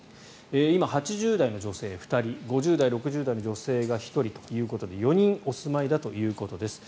今、８０代の女性が２人５０代、６０代の女性が１人ということで４人がお住まいだということです。